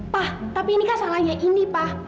pak tapi ini kan salahnya ini pak